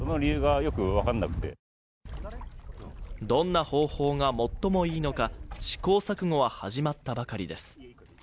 どんな方法が最もいいのか試行錯誤は始まったばかりです。